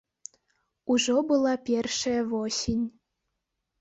Ужо была першая восень.